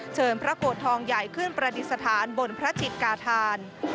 เชิญพระโกรธทองใหญ่ขึ้นประดิษฐานบนพระจิตกาธาน